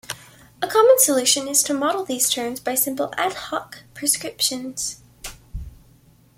A common solution is to model these terms by simple "ad hoc" prescriptions.